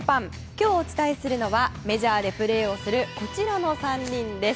今日お伝えするのはメジャーでプレーをするこちらの３人です。